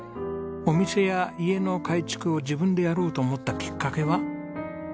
お店や家の改築を自分でやろうと思ったきっかけは？